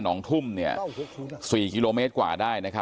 พ่ออยู่หรือเปล่า